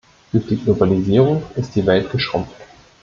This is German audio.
Durch die Globalisierung ist die Welt geschrumpft.